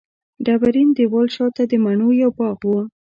ډبرین دېوال شاته د مڼو یو باغ و.